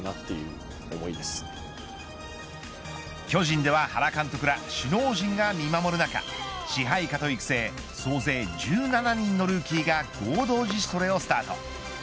巨人では原監督ら首脳陣が見守る中支配下と育成総勢１７人のルーキーが合同自主トレをスタート。